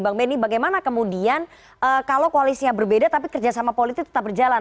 bang benny bagaimana kemudian kalau koalisnya berbeda tapi kerjasama politik tetap berjalan